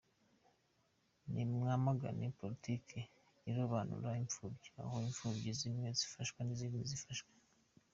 Ni mwamagane politike irobanura impfubyi, aho imfubyi zimwe zifashwa izindi ntizifashwe.